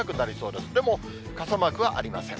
でも、傘マークはありません。